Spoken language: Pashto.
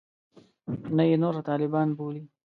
نه یې نور طالبان بولي.